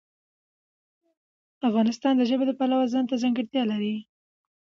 افغانستان د ژبې د پلوه ځانته ځانګړتیا لري.